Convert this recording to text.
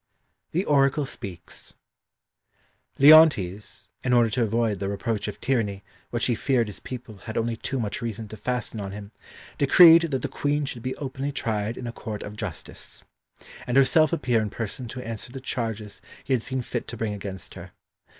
The Oracle Speaks Leontes, in order to avoid the reproach of tyranny which he feared his people had only too much reason to fasten on him, decreed that the Queen should be openly tried in a court of justice, and herself appear in person to answer the charges he had seen fit to bring against her.